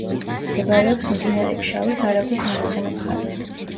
მდებარეობს მდინარე ფშავის არაგვის მარცხენა მხარეს.